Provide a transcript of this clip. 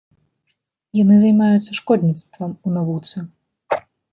Яны займаюцца шкодніцтвам у навуцы.